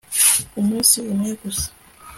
umunsi umwe gusa